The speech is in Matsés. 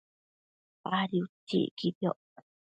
Adi utsi iquidioc